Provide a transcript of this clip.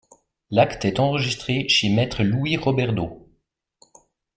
L'acte est enregistré chez maître Louis Roberdeau.